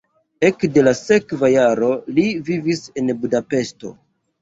Ekde la sekva jaro li vivis en Budapeŝto.